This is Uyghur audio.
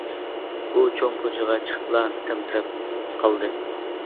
ئۇ چوڭ كوچىغا چىقىپلا تەمتىرەپ قالدى.